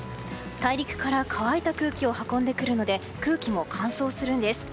大陸から乾いた空気を運んでくるので空気も乾燥するんです。